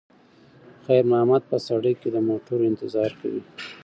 خیر محمد په سړک کې د موټرو انتظار کوي.